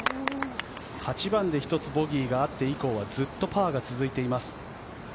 ８番で１つボギーがあって以降はずっとパーが続いています。